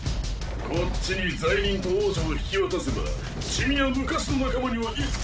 こっちに罪人と王女を引き渡せばチミや昔の仲間には一切手は。